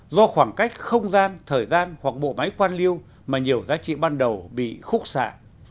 do khoảng cách không gian thời gian hoặc bộ máy quan liêu mà nhiều giá trị ban đầu bị khúc xạ